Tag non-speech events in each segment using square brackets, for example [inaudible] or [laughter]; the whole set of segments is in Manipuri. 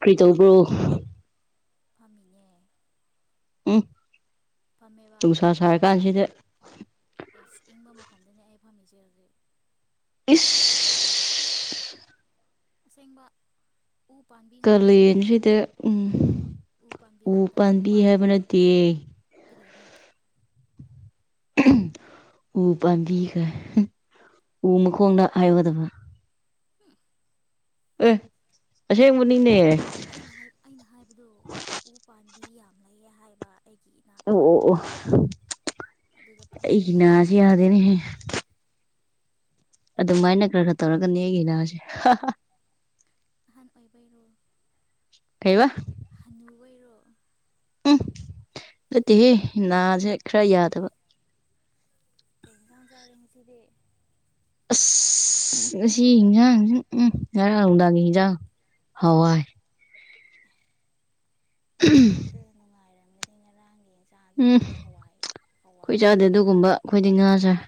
ꯀꯔꯤ ꯇꯧꯕ꯭ꯔꯣ ꯐꯝꯃꯤꯌꯦ ꯎꯝ ꯅꯨꯡꯁꯥ ꯁꯔꯀꯥꯟꯁꯤꯗ ꯐꯝꯗꯅꯦ ꯑꯩ ꯐꯝꯃꯤꯖꯦꯦ ꯏꯁꯁ ꯑꯁꯦꯡꯕ ꯎ ꯄꯥꯝꯕꯤ ꯉꯥꯛꯇ ꯀꯥꯂꯦꯟꯁꯤꯗ ꯎꯝ ꯄꯥꯝꯕꯤ ꯎ ꯉꯥꯛꯇ ꯄꯥꯝꯕꯤ ꯍꯥꯏꯕ ꯅꯠꯇꯦ ꯀ꯭ꯔꯤꯅꯣ ꯎ ꯄꯥꯝꯕꯤ ꯎ ꯃꯈꯣꯡꯗ ꯍꯥꯏꯒꯗꯕ ꯑꯦ ꯑꯁꯦꯡꯕꯅꯤꯅꯦ ꯑꯩꯅ ꯃꯤ ꯌꯥꯝ ꯂꯩꯌꯦ ꯍꯥꯏꯕ ꯑꯩꯒꯤ ꯏꯅꯥꯛꯇ ꯑꯣ ꯑꯗꯨꯗ ꯐꯝꯃꯦ ꯑꯩꯒꯤ ꯅꯥꯁꯤ ꯍꯥꯏꯕꯅꯦ ꯌꯥꯗꯦꯅꯦ ꯑꯗꯨꯃꯥꯏꯅ ꯈꯔ ꯈꯔ ꯇꯧꯔꯒꯅꯤ ꯑꯩꯒꯤ ꯅꯥꯁꯦ ꯍꯥꯍꯥ ꯑꯍꯟ ꯑꯣꯏꯕꯩꯔꯣ [unintelligible] ꯀꯩꯕ ꯍꯟꯅꯨꯕꯩꯔꯣ ꯅꯇꯦꯍꯦ ꯅꯥꯁꯦ ꯈꯔ ꯌꯥꯗꯕ ꯀꯩ ꯏꯟꯁꯥꯡ ꯆꯥꯔꯦ ꯉꯁꯤꯗꯤ ꯑꯁ ꯑꯁꯤ ꯌꯦꯟꯖꯥꯡꯁꯤ ꯎꯝ ꯉꯔꯥꯡ ꯅꯨꯡꯗꯥꯡꯒꯤ ꯏꯟꯁꯥꯡ ꯍꯋꯥꯏ ꯄꯨꯛꯇ ꯎꯝ ꯅꯨꯡꯉꯥꯏꯔꯝꯒꯅꯤ ꯉꯔꯥꯡꯒꯤ ꯌꯦꯟꯁꯥꯡ ꯎꯝ ꯑꯗꯨꯁꯨ ꯍꯋꯥꯏ ꯑꯩꯈꯣꯏ ꯍꯋꯥꯏꯒꯤ ꯆꯥꯗꯦ ꯌꯦꯟꯁꯥꯡ ꯑꯗꯨꯒꯨꯝꯕ ꯑꯩꯈꯣꯏꯗꯤ ꯉꯥꯥ ꯆꯥꯏ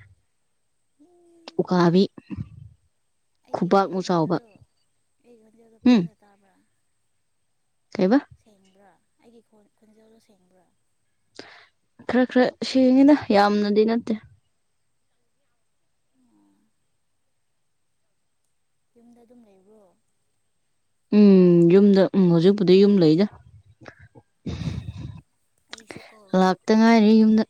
ꯎ ꯎꯀꯥꯕꯤ ꯑꯩꯒꯤ ꯑꯩꯒꯤ ꯈꯨꯕꯥꯛꯃꯨꯛ ꯆꯥꯎꯕ ꯈꯣꯟꯖꯦꯜꯗꯣ ꯑꯩꯒꯤ ꯈꯣꯟꯖꯦꯜꯗꯣ ꯎꯝ ꯐꯖꯅ ꯇꯥꯕ꯭ꯔꯥ ꯀꯩꯕ ꯁꯦꯝꯕ꯭ꯔꯥ ꯑꯩꯒꯤ ꯈꯣꯟꯖꯦꯜꯗꯣ ꯁꯦꯡꯕ꯭ꯔꯥ ꯈꯔ ꯈꯔ ꯁꯦꯡꯉꯤꯗ ꯌꯥꯝꯅꯗꯤ ꯅꯠꯇꯦ ꯑꯣ ꯌꯨꯝꯗ ꯑꯗꯨꯝ ꯂꯩꯕ꯭ꯔꯣ ꯎꯝ ꯌꯨꯝꯗ ꯎꯝ ꯍꯧꯖꯤꯛꯄꯨꯗꯤ ꯌꯨꯝꯗ ꯂꯩꯗꯥ ꯑꯩꯁꯨ ꯀꯣ ꯂꯥꯛꯇ ꯉꯥꯏꯔꯤ ꯌꯨꯝꯗ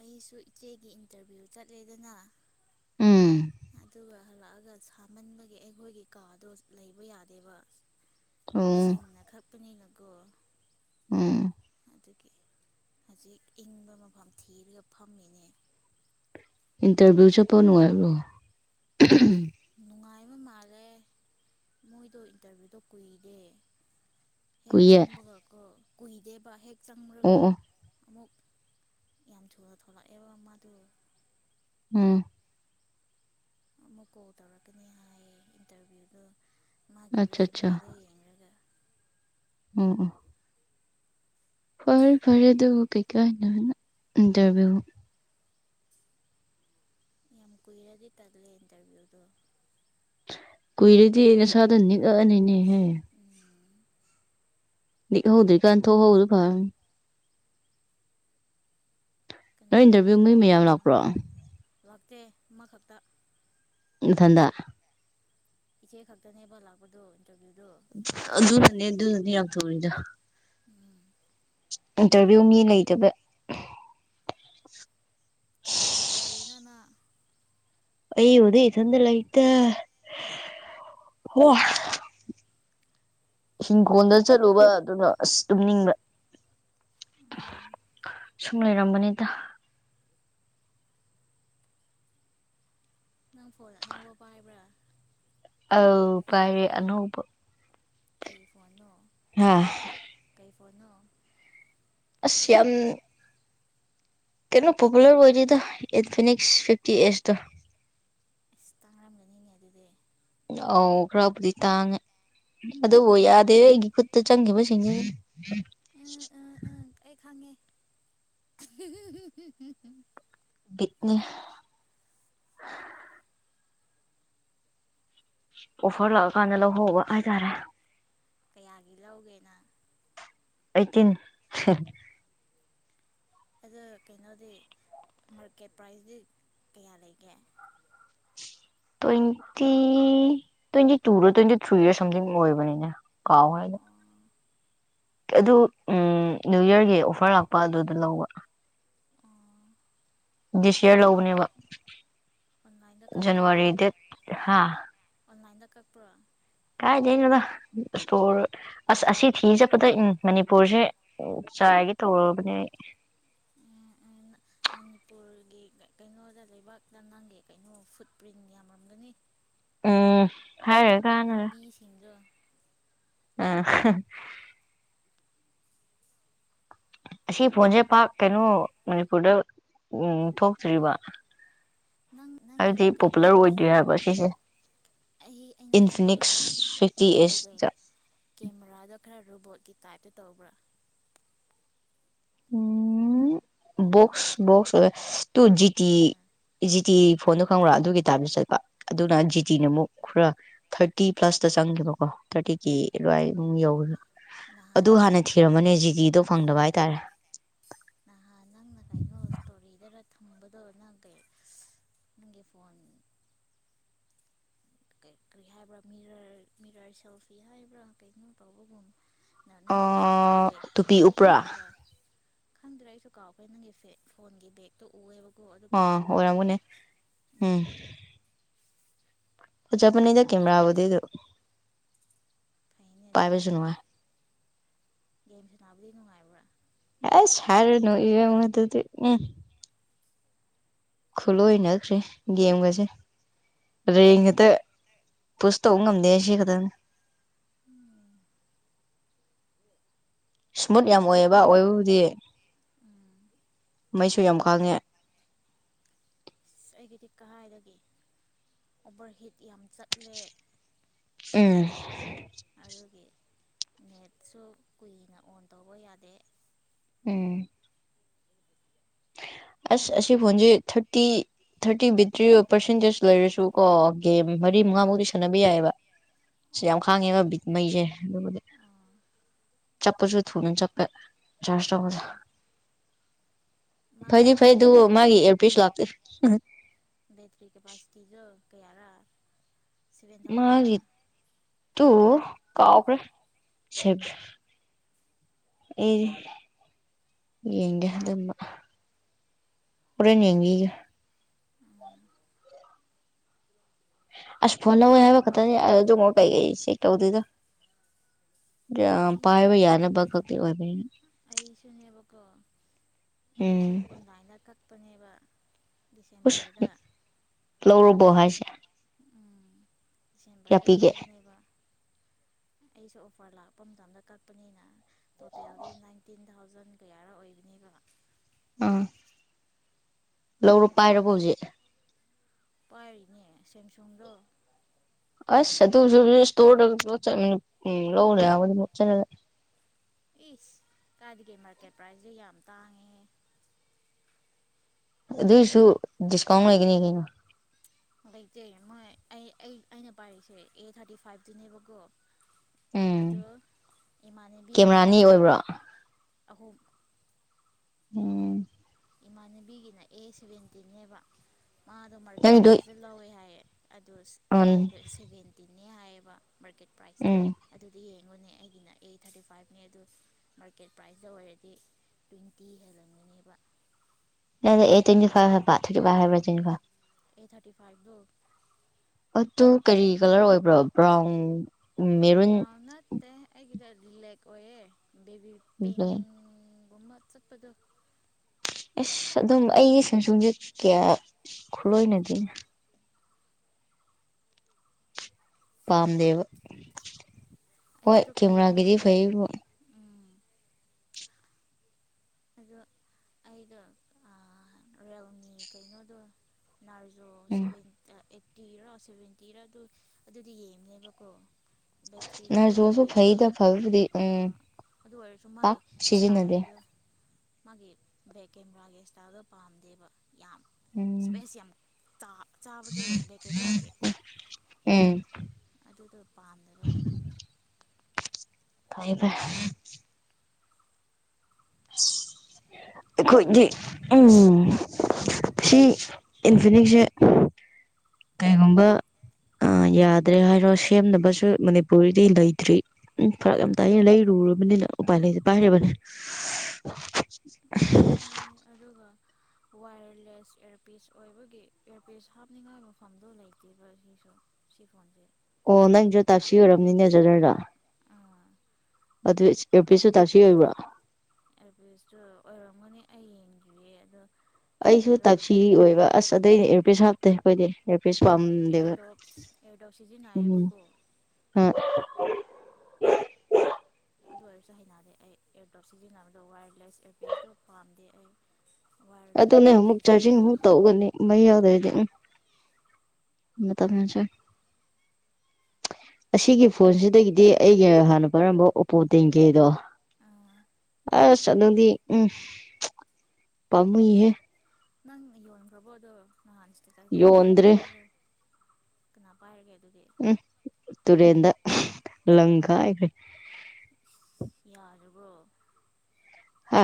ꯑꯩꯁꯨ ꯏꯆꯦꯒꯤ ꯏꯟꯇꯔꯚꯤꯌꯨ ꯆꯠꯂꯦꯗꯅ ꯎꯝ ꯑꯗꯨꯒ ꯍꯜꯂꯛꯑꯒ ꯁꯥꯃꯟꯕꯒꯤ ꯑꯩꯈꯣꯏꯒꯤ ꯀꯥꯗꯣ ꯂꯩꯕ ꯌꯥꯗꯦꯕ ꯑꯣ ꯖꯤꯟꯒꯥ ꯈꯛ ꯃꯤꯅꯀꯣ ꯎꯝ ꯑꯗꯨꯒꯤ ꯍꯧꯖꯤꯛ ꯏꯪꯕ ꯃꯐꯝ ꯊꯤꯔꯒ ꯐꯝꯃꯤꯅꯦ ꯏꯟꯇꯔꯚ꯭ꯨ ꯆꯠꯄ ꯅꯨꯪꯉꯥꯏꯕꯔꯣ ꯅꯨꯡꯉꯥꯏꯕ ꯃꯥꯜꯂꯦ ꯃꯣꯏꯗꯣ ꯏꯟꯇꯔꯚꯤꯌꯨꯗꯣ ꯀꯨꯏꯔꯦ ꯍꯦꯛ ꯀꯨꯏꯌꯦ ꯆꯪꯕꯥꯒꯀ ꯀꯨꯏꯗꯦꯕꯥ ꯍꯦꯛ ꯆꯪꯉꯨꯔꯒꯥ ꯑꯣ ꯑꯣ ꯑꯃꯨꯛ ꯌꯥꯝ ꯊꯨꯅ ꯊꯣꯛꯂꯛꯑꯦꯕ ꯃꯥꯗꯨ ꯎꯝ ꯑꯃꯨꯛ ꯀꯣꯜ ꯇꯧꯔꯛꯀꯅꯤ ꯍꯥꯏꯌꯦ ꯏꯟꯇꯔꯚꯤꯌꯨꯗꯣ ꯃꯥꯒꯤ ꯑꯠꯆꯥ ꯑꯠꯆꯥ ꯔꯨꯖꯨꯃꯤꯗꯣ ꯌꯦꯡꯂꯒꯥ ꯎꯝ ꯎꯝ ꯐꯔꯦ ꯐꯔꯦ ꯑꯗꯨ ꯀꯩꯀꯩꯏ ꯏꯟꯇꯔꯚꯤꯌꯨ ꯌꯥꯝ ꯀꯨꯏꯔꯗꯤ ꯇꯜꯂꯦ ꯏꯟꯇꯔꯚ꯭ꯌꯨꯗꯣ ꯀꯨꯏꯔ꯭ꯗꯤ ꯅꯥꯁꯥꯗꯨ ꯅꯤꯛ ꯑꯥꯅꯤꯅꯦ ꯍꯦ ꯎꯝ ꯅꯤꯀꯍꯧꯗꯔ꯭ꯤ ꯀꯥꯟ ꯊꯣꯛ ꯍꯧꯕꯅꯥ ꯐꯔꯥꯅꯤ ꯀꯅꯥ ꯅꯣꯏ ꯀꯅꯥ ꯏꯟꯇꯔꯚꯤꯌꯨ ꯃꯤ ꯃꯌꯥꯝ ꯂꯩꯔꯤꯅꯣ ꯂꯥꯛꯄ꯭ꯔꯣ ꯂꯥꯛꯇꯦ ꯑꯃꯈꯛꯇ ꯏ ꯃꯊꯟꯇ ꯏꯆꯦ ꯈꯛꯇꯅꯦꯕ ꯂꯥꯛꯄꯗꯨ ꯏꯟꯇꯦꯔꯤꯕꯤ ꯑꯗꯨ ꯅꯥꯅꯦ ꯑꯗꯨꯅꯥꯅꯦ ꯌꯥꯝ ꯊꯨꯔꯤꯗꯣ ꯎꯝ ꯏꯟꯇꯔꯚꯤꯌꯨ ꯃꯤ ꯂꯩꯇꯕꯩ ꯀꯅꯥ ꯀꯅꯥ ꯂꯩꯔꯤꯅꯣ ꯅꯪ ꯑꯩꯕꯨꯗꯩ ꯏꯊꯟꯇ ꯂꯩꯗ ꯍꯣꯏ ꯏꯤꯡꯈꯣꯜꯗ ꯆꯠꯂꯨꯕ ꯑꯗꯨꯒꯥ ꯑꯁ ꯇꯨꯝꯅꯤꯡꯕ ꯎꯝ ꯁꯨꯝ ꯂꯩꯔꯝꯕꯅꯤꯗ ꯅꯪ ꯐꯣꯟ ꯑꯅꯧꯕ ꯄꯥꯏꯕ꯭ꯔꯥ ꯑ ꯐꯥꯏꯌꯦ ꯑꯅꯧꯕ ꯀꯩ ꯐꯣꯟꯅꯣ ꯍꯥ ꯀꯩ ꯐ ꯐꯅ ꯑꯁ ꯌꯥꯝ ꯀꯩꯅꯣ ꯄꯣꯄꯨꯂꯔ ꯑꯣꯏꯔꯤꯗ ꯏꯟꯐꯅꯤꯛꯁ ꯐꯤꯐꯇꯤ ꯑꯦꯖꯇ ꯑꯁ ꯇꯥꯡꯅꯔꯝꯒꯅꯤꯅꯦ ꯑꯗꯨꯗꯤ ꯑꯧ ꯈꯔꯕꯨꯗꯤ ꯇꯥꯡꯉꯦ ꯑꯗꯨꯕꯨ ꯌꯥꯗꯦ ꯑꯩꯒꯤ ꯈꯨꯠꯇ ꯆꯪꯈꯤꯕꯁꯤꯡꯁ ꯎꯝ ꯎꯝ ꯎꯝ ꯑꯩ ꯈꯪꯉꯦ ꯑꯍꯨꯡꯍꯨꯡꯍꯨꯡ ꯏꯠꯅꯦ ꯑꯣꯐꯔ ꯂꯥꯛꯑꯀꯥꯟꯗ ꯂꯧꯍꯧꯕ ꯍꯥꯏꯇꯥꯔꯦ ꯀꯌꯥꯒꯤ ꯂꯧꯒꯦꯅ ꯑꯩꯇꯤꯟ ꯍ ꯑꯗꯣ ꯀꯩꯅꯣꯗꯤ ꯃꯥꯔꯀꯦꯠ ꯄ꯭ꯔꯥꯏꯖꯗꯤ ꯀꯌꯥ ꯂꯩꯒꯦ ꯇ꯭ꯋꯦꯟꯇꯤ ꯇ꯭ꯋꯦꯟꯇꯤ ꯇꯨꯗ ꯇ꯭ꯋꯦꯟꯇꯤ ꯊ꯭ꯔꯤꯗ ꯁꯝꯊꯤꯡ ꯑꯣꯏꯕꯅꯤꯅꯦ ꯀꯥꯎ ꯍꯥꯏꯅ ꯑꯣ ꯑꯗꯨ ꯎ ꯅ꯭ꯌꯨ ꯌꯔꯒꯤ ꯑꯣꯐꯔ ꯂꯥꯛꯄ ꯑꯗꯨꯗ ꯂꯧꯕ ꯑꯣ ꯗꯤꯁ ꯌꯔ ꯂꯧꯕꯅꯦꯕ ꯑꯣꯟꯂꯥꯏꯟꯗ ꯀꯛꯄ꯭ꯔꯥ ꯖꯅꯋꯥꯔꯤ ꯗꯦꯠ ꯍꯥ ꯑꯣꯟꯂꯥꯏꯟꯗ ꯀꯛꯄ꯭ꯔꯣ ꯀꯥꯏꯗꯩꯅꯣꯗ ꯑꯁ ꯑꯁꯤ ꯊꯤ ꯆꯠꯄꯗ ꯎꯝ ꯃꯅꯤꯄꯨꯔꯁꯦ ꯆꯥꯏꯒꯤ ꯇꯧꯔꯕꯅꯦ ꯃꯅꯤꯄꯨꯔꯒꯤ ꯀꯩꯅꯣꯗ ꯂꯩꯕꯥꯛꯇ ꯅꯪꯒꯤ ꯀꯩꯅꯣ ꯐꯨꯠ ꯄ꯭ꯔꯤꯟ ꯌꯥꯝꯔꯝꯒꯅꯤ ꯎꯝ ꯍꯥꯏꯌꯦ ꯀꯅꯒ ꯂꯝꯕꯤꯁꯤꯡꯗꯣ ꯑ ꯑꯁꯤ ꯐꯣꯟꯁꯦ ꯄꯥꯛ ꯀꯩꯅꯣ ꯃꯅꯤꯄꯨꯔꯗ ꯎꯝ ꯊꯣꯛꯇ꯭ꯔꯤꯕ ꯅꯪ ꯅꯪꯒꯤꯗ ꯍꯥꯏꯕꯗꯤ ꯀꯩꯅꯣ ꯄꯣꯄꯨꯂꯔ ꯑꯣꯏꯗ꯭ꯔꯤ ꯍꯥꯏꯕ ꯁꯤꯁꯦ ꯑꯩ ꯑꯩꯅ ꯈꯟꯕꯗꯣ ꯏꯟꯐꯤꯅꯤꯛꯁ ꯅꯪ ꯐꯤꯐꯇꯤ ꯅꯪꯒꯤꯗꯣ ꯑꯦꯁꯇ ꯀꯦꯃꯦꯔꯥꯗ ꯈꯔ ꯔꯣꯕꯣꯠꯀꯤ ꯇꯥꯏꯞꯇ ꯇꯧꯕ꯭ꯔꯥ ꯎꯝ ꯕꯣꯛꯁ ꯕꯣꯛꯁ ꯑꯣꯏ ꯇꯨ ꯖꯤꯇꯤ ꯖꯤꯇꯤ ꯐꯣꯟꯗꯣ ꯈꯪꯕ꯭ꯔꯥ ꯑꯗꯨꯒꯤ ꯇꯥꯏꯞꯇ ꯆꯠꯄ ꯑꯗꯨꯅ ꯖꯤꯇꯤꯅ ꯑꯃꯨꯛ ꯈꯔ ꯊꯥꯔꯇꯤ ꯄ꯭ꯂꯁꯇ ꯆꯪꯈꯤꯕꯀꯣ ꯊꯥꯔꯇꯤ ꯀ ꯂꯃꯨꯛ ꯌꯧ ꯅꯍꯥꯟ ꯑꯗꯨ ꯍꯥꯟꯅ ꯊꯤꯔꯝꯃꯅꯦ ꯍꯧꯖꯤꯗꯤ ꯑꯗꯨ ꯐꯪꯗꯕ ꯍꯥꯏꯇꯥꯔꯦ ꯅꯍꯥꯟ ꯅꯪꯅ ꯀꯩꯅꯣ ꯏꯁꯇꯣꯔꯤꯗ ꯊꯝꯕꯗꯣ ꯅꯪ ꯀꯩ ꯅꯪꯒꯤ ꯐꯣꯟ ꯀꯔꯤ ꯍꯥꯏꯕ꯭ꯔ ꯃꯤꯔꯔ ꯁꯦꯜꯐꯤ ꯍꯥꯏꯕ꯭ꯔꯥ ꯀꯩꯒꯨꯝ ꯇꯧꯕꯒꯨꯝ ꯅ ꯅꯪꯒꯤ ꯐꯣꯟ ꯑꯥ ꯕꯦꯛꯇꯣ ꯇꯨꯄꯤ ꯎꯞꯄ꯭ꯔꯥ ꯎꯦꯕ ꯈꯪꯗ꯭ꯔꯦ ꯑꯩꯁꯨ ꯀꯥꯎꯈꯦ ꯅꯪꯒꯤꯁꯦ ꯐꯣꯟꯒꯤ ꯕꯦꯛꯇꯣ ꯎꯑꯦꯕ ꯀꯣ ꯑꯗꯨ ꯑꯥ ꯀꯦꯃꯦꯔꯥꯗꯣ ꯀꯩꯅꯣ ꯑꯣꯏꯔꯝꯒꯅꯤ ꯎꯝ ꯄꯖꯄꯅꯤꯗ ꯀꯦꯃꯦ꯭ꯔꯥꯕꯗꯗꯨ ꯐꯩꯅꯦ ꯑꯗꯨꯗꯤ ꯒꯦꯝ ꯁꯥꯅ ꯗꯤ ꯅꯨꯡꯉꯥꯏꯕ꯭ꯔꯥ ꯑꯁ ꯍꯥꯢꯔꯅꯨ ꯏꯕꯦꯝꯃ ꯑꯗꯨꯗꯤ ꯎꯝ ꯈꯨꯠꯂꯣꯏꯅꯈ꯭ꯔꯦ ꯒꯦꯝꯒꯁꯦ ꯔꯦꯡ ꯈꯛꯇ ꯄꯨꯁ ꯇꯧꯕ ꯉꯝꯗꯦ ꯁꯤ ꯈꯛꯇꯪꯅꯦ ꯎꯝ ꯏꯁꯃꯨꯠ ꯌꯥꯝ ꯑꯣꯏꯑꯕ ꯑꯣꯏꯕꯕꯨꯗꯤ ꯎꯝ ꯃꯩꯁꯨ ꯌꯥꯝ ꯈꯥꯡꯉꯦ ꯑꯁ ꯑꯩꯒꯤꯗꯤ ꯀꯥꯏꯗꯒꯤ ꯑꯣꯚꯔꯍꯤꯠ ꯌꯥꯝ ꯆꯠꯂꯦ ꯎꯝ ꯑꯗꯨꯒꯤ ꯅꯦꯠꯁꯨ ꯀꯨꯏꯅ ꯑꯣꯟ ꯇꯧꯕ ꯌꯥꯗꯦ ꯎꯝ ꯑꯁ ꯑꯁꯤ ꯐꯣꯟꯁꯦ ꯊꯔꯇꯤ ꯊꯔꯇꯤ ꯕꯦꯠꯇ꯭ꯔꯤ ꯄꯥꯔꯁꯦꯟꯇꯦꯖ ꯂꯩꯔꯁꯨꯀꯣ ꯒꯦꯝ ꯃꯔꯤ ꯎꯝ ꯃꯉꯥꯃꯨꯛꯇꯤ ꯁꯥꯟꯅꯕ ꯌꯥꯏꯑꯦꯕ ꯁꯤ ꯌꯥꯝ ꯑꯣ ꯈꯥꯡꯉꯦꯕ ꯃꯩꯁꯦ ꯑꯗꯨꯕꯨꯗꯤ ꯑꯣ ꯆꯠꯄꯁꯨ ꯊꯨꯅ ꯆꯠꯄ ꯆꯥꯔꯖ ꯇꯧꯕꯗ ꯑꯣ ꯃꯥꯒꯤ ꯐꯩꯗꯤ ꯀꯩꯅꯣ ꯐꯩ ꯕꯦꯠ ꯑꯗꯨꯕꯨ ꯃꯥꯒꯤ ꯏꯌꯥꯔꯄꯤꯁ ꯂꯥꯛꯇꯦ ꯕꯦꯇ꯭ꯔꯤ ꯀꯦꯄꯥꯁꯤꯇꯤꯗꯣ ꯀꯌꯥꯔꯥ ꯁꯚꯦꯟ ꯊꯥꯎꯖꯟꯔꯥ ꯃꯥꯒꯤ ꯇꯨ ꯀꯥꯎꯈ꯭ꯔꯦ [inaudible] ꯑꯦ ꯌꯦꯡꯒ ꯍꯣꯔꯦꯟ ꯌꯦꯡꯕꯤꯒꯦ ꯑꯁ ꯐꯣꯟ ꯂꯧꯋꯦ ꯍꯥꯏꯕ ꯈꯠꯇꯅꯤ ꯑ ꯑꯗꯨꯒꯨꯝꯕ ꯀꯩ ꯆꯦꯛ ꯇꯧꯗꯦꯗꯥ ꯑꯩ ꯄꯥꯏꯕ ꯌꯥꯅꯕ ꯈꯛꯀꯤ ꯑꯣꯏꯕ ꯀꯣ ꯑꯩꯁꯨ ꯑꯣꯟꯅꯥꯏꯟꯗ ꯀꯛ ꯄꯅꯦꯕ ꯗꯤꯁꯦꯝꯕꯔꯗ ꯕꯣꯍꯥꯏꯁꯦ ꯗꯤꯁꯦꯝꯚꯔꯗ ꯄꯤꯒꯦ ꯂꯧꯕꯅꯦꯕ ꯑꯩꯁꯨ ꯑꯣꯐꯔ ꯂꯥꯛꯄ ꯃꯇꯝꯗ ꯀꯛꯄꯅꯤꯅ ꯇꯣꯇꯦꯜꯗꯤ ꯅꯥꯏꯟꯇꯤꯟ ꯊꯥꯎꯖꯟ ꯀꯌꯥꯔ ꯑꯣꯏꯕꯅꯦꯕ ꯑꯥ ꯂꯧꯔꯣ ꯑꯗꯨ ꯄꯥꯏꯔꯕꯣ ꯍꯧꯖꯤꯛ ꯄꯥꯏꯔꯤꯅꯦ ꯁꯦꯝꯁꯨꯡꯗꯣ ꯑꯁ ꯑꯗꯨꯁꯨ ꯏꯁꯇꯣꯔꯗ [unintelligible] ꯏꯁ ꯀꯥꯏꯗꯒꯤ ꯃꯥꯔꯀꯦꯠ ꯄ꯭ꯔꯥꯏꯖꯁꯦ ꯌꯥꯝ ꯇꯥꯡꯉꯦꯍꯦ ꯑꯗꯨꯏꯁꯨ ꯗꯤꯁꯀꯥꯎꯟ ꯂꯩꯒꯅꯤ ꯀꯩꯅꯣ ꯂꯩꯇꯦ ꯃꯣꯏ ꯑꯩ ꯑꯩ ꯑꯩꯅ ꯄꯥꯏꯔꯤꯁꯦ ꯑꯦ ꯊꯥꯔꯇꯤ ꯐꯥꯏꯚꯇꯨꯅꯦꯕꯀꯣ ꯎꯝ ꯑꯗꯣ ꯀꯦꯃꯦꯔꯥ ꯏꯃꯥꯟꯕꯤꯒꯤꯅ ꯑꯅꯤ ꯑꯣꯏꯕ꯭ꯔꯣ ꯑꯍꯨꯝ ꯎꯝ ꯏꯃꯥꯟꯅꯕꯤꯒꯤꯅ ꯑꯦ ꯁꯚꯦꯟꯇꯤꯟꯅꯦꯕ ꯃꯥꯗꯣ ꯃꯥꯔꯀꯦꯠ ꯅꯪꯒꯤꯗꯣ ꯄ꯭ꯔꯥꯏꯖꯇ ꯂꯧꯋꯦ ꯍꯥꯏꯌꯦ ꯑꯗ ꯎꯝ ꯃꯥꯒꯤꯗꯣ ꯁꯦꯚꯦꯟꯇꯤ ꯅꯤ ꯍꯥꯏꯌꯦꯕ ꯃꯥꯔꯀꯦꯠ ꯄ꯭ꯔꯥꯏꯁꯇ ꯎꯝ ꯑꯗꯨꯗꯤ ꯅꯦ ꯑꯩꯒꯤꯅ ꯑꯦ ꯊꯥꯔꯇꯤ ꯐꯥꯏꯚꯅꯦ ꯑꯗꯨ ꯃꯥꯔꯀꯦꯠ ꯄ꯭ꯔꯥꯏꯖꯇ ꯑꯣꯏꯔꯗꯤ ꯇ꯭ꯋꯦꯟꯇꯤ ꯍꯦꯜꯂꯝꯟꯒꯅꯦꯕ ꯑꯦ ꯇ꯭ꯋꯦꯟꯇꯤ ꯐꯥꯏꯚ ꯍꯥꯏꯕ ꯊꯔꯇꯤ ꯐꯥꯏꯞ ꯍꯥꯏꯕ꯭ꯔ ꯇ꯭ꯋꯦꯟꯤ ꯐꯥꯏꯚ ꯑꯦ ꯊꯥꯔꯇꯤ ꯐꯥꯏꯚ ꯗꯣ ꯑꯇꯣ ꯀꯔꯤ ꯀꯂꯔ ꯑꯣꯏꯕ꯭ꯔꯣ ꯕ꯭ꯔꯥꯎꯟ ꯎ ꯃꯔꯨꯝ ꯑꯩꯒꯤꯗꯔꯤ ꯂꯦꯛ ꯑꯣꯏꯌꯦꯦ ꯕꯤꯕꯤ ꯄꯤꯡ ꯕ꯭ꯂꯦꯛ ꯃ ꯆꯠꯄꯗꯣ ꯑꯁ ꯑꯗꯨꯝ ꯑꯩꯒꯤ ꯁꯨꯡ ꯁꯨꯡꯁꯦ ꯀꯌꯥ ꯈꯨꯠꯂꯣꯏꯅꯗꯣꯏꯅ ꯄꯥꯝꯗꯦꯕ ꯍꯣꯏ ꯑꯩꯗꯣ ꯀꯦꯃꯦꯔꯥꯒꯤꯗꯤ ꯀꯩꯅꯣꯗꯤ ꯐꯩ ꯎꯝ ꯑꯗꯣ ꯑꯩꯗꯣ ꯔꯥꯎꯅꯤ ꯀꯩꯅꯣꯗꯣ ꯅꯔꯖꯣ ꯎꯝ ꯁꯚꯦꯟꯇ ꯑꯩꯠꯇꯤꯔꯣ ꯁꯚꯦꯟꯇꯤꯔ ꯑꯗꯨ ꯑꯗꯨꯗꯤ ꯌꯦꯡꯅꯦꯕꯀꯣ ꯕꯦꯇ꯭ꯔꯤꯗꯨꯗꯤ ꯅꯔꯖꯣꯁꯨ ꯐꯩꯌꯦꯕ ꯐꯩꯗ ꯐꯕꯕꯨꯗꯤ ꯑ ꯎꯝ ꯑꯗꯨ ꯑꯣꯏꯔꯁꯨ ꯄꯥꯛ ꯃꯥꯒꯤ ꯁꯤꯖꯤꯟꯅꯗꯦ ꯏꯁꯇꯥꯏꯜꯗ ꯃꯥꯒꯤ ꯕꯦꯛ ꯀꯦꯃꯦꯔꯥꯒꯤ ꯏꯁꯇꯥꯏꯜꯗꯣ ꯄꯥꯝꯗꯦꯕ ꯌꯥ ꯎꯝ ꯁꯄꯦꯁ ꯇ ꯆꯕꯗꯨ ꯀꯦꯗ꯭ꯔ ꯍꯥꯏꯒꯦ [unintelligible] ꯑꯗꯨꯗꯣ ꯄꯥꯝꯗꯕ ꯐꯥꯏꯕ ꯑꯩꯈꯣꯏꯗꯤ ꯎꯝ ꯁꯤ ꯏꯟꯐꯤꯅꯤꯛꯁꯦ ꯀꯩꯒꯨꯝꯕ ꯌꯥꯗ꯭ꯔꯦ ꯍꯥꯏꯔꯣ ꯁꯦꯝꯅꯕꯁꯨ ꯃꯅꯤꯄꯨꯔꯔꯤꯗꯤ ꯂꯩꯇ꯭ꯔꯤ ꯎꯝ ꯐꯔꯛ ꯌꯥꯝ ꯇꯥꯏ ꯂꯩꯔꯨꯔꯕꯅꯤꯅ ꯎꯄꯥꯏ ꯂꯩꯁꯦ ꯄꯥꯏꯔꯤꯕꯅꯤ [unintelligible] ꯑꯗꯨꯅꯦ ꯑꯗꯨꯒ ꯋꯥ ꯋꯥꯌꯔꯂꯦꯁ ꯏꯌꯥꯔꯄꯤꯤꯁ ꯑꯣꯏꯕꯒꯤ ꯏꯌꯥꯔꯄꯤꯁ ꯍꯥꯞꯅꯤꯡꯉꯥꯏ ꯃꯐꯝꯗꯣ ꯂꯩꯇꯦꯕ ꯁꯤꯁꯨ ꯁꯤ ꯐꯣꯟꯁꯦ ꯑꯣ ꯅꯪꯁꯨ ꯇꯥꯁꯤ ꯑꯣꯏꯔꯕꯅꯤꯅꯦꯖꯔꯔ ꯑꯗꯨ ꯑꯦ ꯄꯔꯤꯁꯨ ꯇꯥꯁꯤ ꯑꯣꯏꯕ꯭ꯔꯥ ꯇ ꯑꯣꯏꯔꯝꯒꯅꯦ ꯑꯩ ꯌꯦꯡꯈꯤꯌꯦ ꯑꯗꯣ ꯑꯩꯁꯨ ꯀꯩꯅꯣꯗꯣ ꯇꯞꯁꯤ ꯑꯣꯏꯕ ꯑꯁ ꯑꯗꯩ ꯄꯩꯁꯥꯗꯦ ꯀꯣꯏꯔꯦ ꯑꯦ ꯄ ꯁꯋꯥꯝꯗꯕ ꯑꯦꯌꯔꯗꯣꯞꯁ ꯑꯦꯌꯔꯗꯣꯞ ꯎꯝ ꯁꯤꯖꯤꯟꯅꯩꯌꯦꯕꯀꯣ ꯑ ꯑꯗꯨ ꯑꯣꯏꯔꯁꯨ ꯍꯩꯅꯗꯦ ꯑꯩ ꯏꯌꯥꯔꯇꯣꯠ ꯁꯤꯖꯤꯟꯅꯕꯗ ꯋꯥꯌꯔꯂꯦꯁ ꯏꯌꯥꯔꯄꯤꯠꯁꯤꯁꯨ ꯄꯥꯝꯗꯦ ꯑꯩ ꯋꯥꯌꯔꯒꯤ ꯑꯗꯨꯅꯦ ꯑꯃꯨꯛ ꯑꯦꯌꯔꯄꯤꯁꯇꯨꯅ ꯆꯥꯔꯖꯤꯡ ꯐꯩ ꯑꯃꯨꯛ ꯇꯧꯒꯅꯤ ꯃꯩ ꯌꯥꯎꯗ꯭ꯔꯗꯤ ꯎꯝ ꯑꯁꯤꯒꯤ ꯐꯣꯟꯁꯤꯗꯒꯤꯗꯤ ꯑꯩꯒꯤ ꯍꯥꯟꯅ ꯄꯥꯏꯔꯝꯕ ꯑꯣꯞꯄꯣ ꯇꯦꯡꯒꯦꯗꯣ ꯑꯥ ꯑꯁ ꯑꯗꯨꯪꯗꯤ ꯎꯝ ꯄꯃꯨꯍꯦ ꯅꯪ ꯌꯣꯟ ꯑꯣꯏ꯭ꯔꯔꯕꯣ ꯑꯗꯨ ꯅꯅꯥꯅꯤꯁꯤꯂꯀꯖꯥꯏ ꯑ ꯑꯃ ꯊ ꯌꯣꯟꯗ꯭ꯔꯦ ꯑꯗꯨꯂꯣꯏ ꯀꯅꯥ ꯄꯥꯏꯔꯒꯦꯦ ꯎꯝ ꯇꯨꯔꯤꯦꯟꯗ ꯂꯪꯀ ꯑꯩꯈ ꯌꯥꯔꯕꯨꯣ ꯍꯥ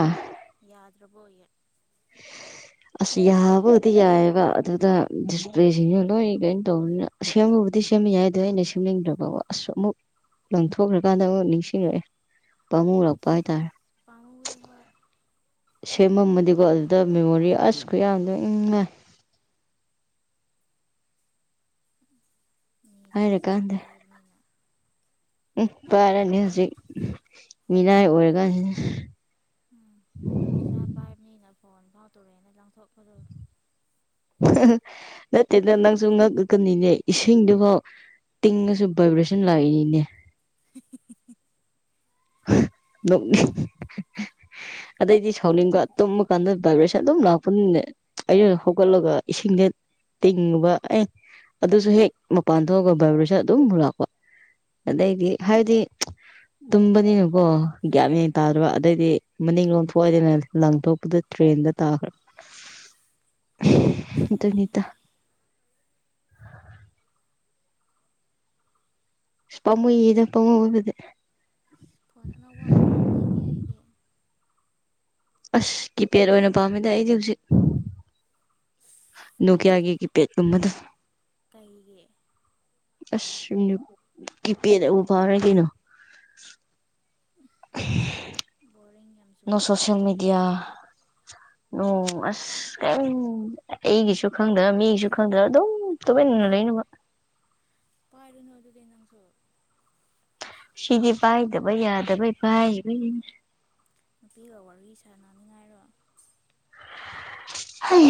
ꯌꯥꯗ ꯗ꯭ꯔꯕꫭ ꯌꯦ ꯑꯁ ꯌꯥꯕꯕꯨꯗꯤ ꯌꯥꯏꯑꯕ ꯑꯗꯨꯗ ꯗꯤꯁꯄ꯭ꯂꯦꯁꯤꯡꯗꯨ ꯂꯣꯏ ꯀꯩꯅꯣ ꯇꯧꯕꯅꯤꯅ ꯁꯦꯝꯕꯕꯨꯗꯤ ꯁꯦꯝꯕ ꯌꯥꯏ ꯑꯗꯣ ꯑꯩꯅ ꯁꯦꯝꯅꯤꯡꯗ꯭ꯔꯕ ꯑꯁ ꯑꯃꯨꯛ ꯂꯪꯊꯣꯛꯈ꯭ꯔꯀꯥꯟꯗ ꯑꯃꯨꯛ ꯅꯤꯡꯁꯤꯡꯔꯛꯑꯦ ꯄꯥꯝꯃꯨꯔꯛꯄ ꯍꯥꯏꯇꯥꯔꯦ ꯄꯥꯝꯃꯨꯋꯦ ꯍꯣꯏ ꯁꯦꯝ ꯃꯃ ꯃꯗꯤꯒꯣ ꯗ ꯃꯦꯃꯣꯔꯤ ꯑꯁ ꯎꯝ ꯈꯨꯌꯥꯝꯗꫭ ꯏꯃꯥꯏ ꯃꯤꯗꯤ ꯄꯩꯁꯥ ꯍꯥꯏꯔꯀꯥꯟꯗ ꯄꯥꯏꯕꯅꯤꯅ ꯎꯝ ꯄꯥꯏꯔꯅꯤ ꯍꯧꯖꯤꯛ ꯃꯤꯅꯥꯏ ꯑꯣꯏꯔꯀꯥꯟꯁꯤꯗ ꯎꯝ ꯄꯩꯁꯥ ꯄꯥꯏꯕꯅꯤꯅ ꯐꯣꯟ ꯐꯥꯎ ꯇꯣꯔꯑꯦꯅ ꯂꯪꯊꯣꯛꯄꯗꯨ ꯅꯠꯇꯦꯗ ꯅꯪꯁꯨ ꯉꯛꯀꯅꯤꯅꯦ ꯏꯁꯤꯡꯗꯨꯐꯥꯎ ꯇꯤꯡꯉꯁꯨ ꯚꯥꯏꯕ꯭ꯔꯦꯁꯟ ꯂꯥꯛꯏꯅꯤꯅꯦ [inaudible] ꯅꫭꯛꯅꯤꯡ ꯑꯗꯩꯗꯤ ꯁꯥꯎꯅꯤꯡꯕ ꯇꯨꯝꯃ ꯀꯥꯟꯗ ꯚꯥꯏꯕ꯭ꯔꯦꯁꯟ ꯑꯗꯨꯝ ꯂꯥꯛꯄꯅꯤꯅꯅꯦ ꯑꯩꯅ ꯍꯧꯒꯠꯂꯒ ꯏꯁꯤꯡꯗ ꯍꯦꯛ ꯇꯤꯡꯉꯨꯕ ꯑꯦ ꯑꯗꯨꯁꯨ ꯍꯦꯛ ꯃꯄꯥꯟ ꯊꯣꯛꯑꯒ ꯚꯥꯏꯕ꯭ꯔꯦꯁꯟ ꯑꯗꯨꯝ ꯂꯥꯛꯄ ꯑꯗꯩꯗꯤ ꯍꯥꯏꯗꯤ ꯇꯨꯡꯗꯅꯤꯅꯀꯣ ꯒ꯭ꯌꯥꯟ ꯎꯝ ꯃꯦꯟ ꯇꯥꯗꯕ ꯑꯗꯩꯗꯤ ꯃꯅꯤꯡ ꯂꯣꯝ ꯊꯣꯛꯑꯩꯗꯅ ꯂꯪꯊꯣꯛꯄꯗ ꯇ꯭ꯔꯦꯟꯗ ꯇꯥꯈ꯭ꯔ ꯑꯗꯨꯅꯤꯇꯥ ꯄꯃꯨꯏꯌꯦꯗ ꯄꯥꯃꯨꯕꯗꯤ ꯐꯣꯟ ꯑꯅꯧꯕ ꯑꯃꯨꯛ ꯂꯧꯅꯤꯡꯉꯦ ꯑꯩꯗꯤ ꯑꯁ ꯀꯤꯄꯦꯗ ꯑꯣꯏꯅ ꯄꯥꯝꯃꯦꯗ ꯑꯩꯗꯤ ꯍꯧꯖꯤꯛ ꯀꯥꯏꯗꯒꯤ ꯅꫭꯀꯤꯌꯥꯒꯤ ꯀꯤꯄꯦꯗ ꯀꯨꯝꯕꯗꯨ ꯀꯩꯒꯤ ꯑꯁ ꯃꯤ ꯀꯤꯄꯦꯗ ꯅꯕꯨ ꯐꯘ꯭ꯔꯦ ꯀꯩꯅꯣ ꯕꯣꯔꯤꯡ ꯌꯥꯝ [inaudible] ꯅꫭ ꯆꯨꯔꯦ ꯁꯣꯁꯜ ꯀꯤꯄꯦꯗ ꯃꯦꯗꯤꯌꯥ ꯄꯥꯏꯕꯗꯣ ꯅꫭ ꯀꯩꯝ ꯑꯩꯒꯤꯁꯨ ꯈꯪꯗ ꯃꯤꯒꯤꯁꯨ ꯈꯪꯗ ꯑꯗꯨꯝ ꯇꯨꯃꯤꯟꯅ ꯂꯩꯅꯕ ꯄꯥꯏꯔꯅ ꯑꯗꯨꯗꯤ ꯅꯪꯁꯨ ꯁꯤꯗꯤ ꯄꯥꯏꯗꯕ ꯌꯥꯗꯕꯩ ꯄꯥꯏꯔꯤꯃꯤꯅꯤ ꯅꯨꯄꯤꯒ ꯋꯥꯔꯤ ꯁꯥꯟꯅ ꯅꯤꯉꯥꯏꯔꯣ ꯍꯩ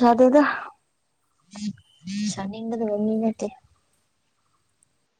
ꯁꯥꯗꯦꯗ ꯁꯅꯤꯒꯗꯕ ꯃꯤ ꯅꯠꯇꯦ